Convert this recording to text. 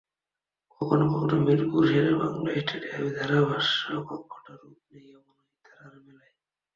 কখনো কখনো মিরপুর শেরেবাংলা স্টেডিয়ামের ধারাভাষ্যকক্ষটা রূপ নেয় এমনই তারার মেলায়।